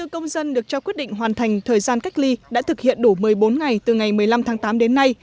hai mươi công dân được cho quyết định hoàn thành thời gian cách ly đã thực hiện đủ một mươi bốn ngày từ ngày một mươi năm tháng tám đến nay